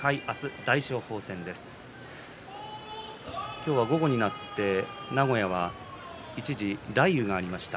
今日は午後になって名古屋は一時、雷雨がありました。